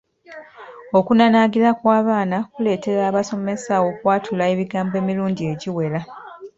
Okunanaanagira kw’abaana kuleetera abasomesa okwatula ebigambo emirundi egiwera.